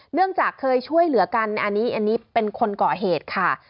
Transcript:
เนื่องจากเคยช่วยเหลือกันอันนี้อันนี้เป็นคนก่อเหตุค่ะ